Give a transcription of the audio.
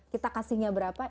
kita kasihnya berapa